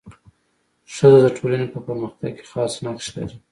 ښځه د ټولني په پرمختګ کي خاص نقش لري.